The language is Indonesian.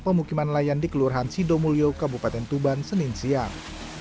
pemukiman layan di kelurahan sidomulyo kabupaten tuban senin siang